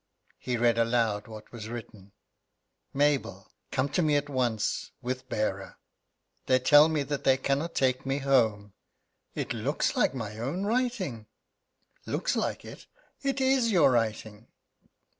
He read aloud what was written: "'Mabel, come to me at once with bearer. They tell me that they cannot take me home.' It looks like my own writing." "Looks like it! It is your writing."